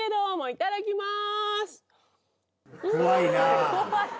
いただきます。